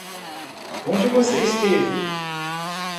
Onde você esteve?